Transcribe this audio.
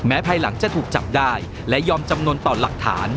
ภายหลังจะถูกจับได้และยอมจำนวนต่อหลักฐาน